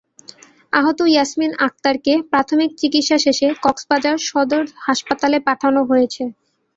আহত ইয়াসমিন আক্তারকে প্রাথমিক চিকিৎসা শেষে কক্সবাজার সদর হাসপাতালে পাঠানো হয়েছে।